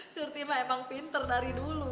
surti mah emang pinter dari dulu